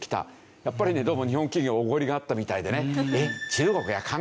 やっぱりねどうも日本企業おごりがあったみたいでね。